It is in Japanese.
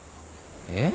えっ。